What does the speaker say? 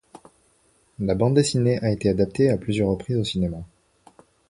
La bande dessinée a été adaptée à plusieurs reprises au cinéma.